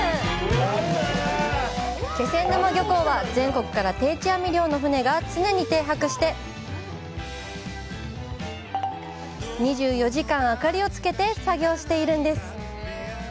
気仙沼漁港は全国から定置網漁の船が常に停泊して２４時間明かりをつけて作業しているんです。